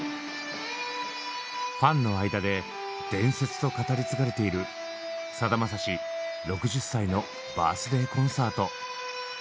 ファンの間で「伝説」と語り継がれている「さだまさし６０歳のバースデーコンサート」。